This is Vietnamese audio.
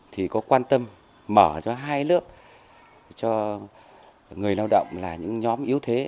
thì có quan tâm mở cho hai lớp cho người lao động là những nhóm yếu thế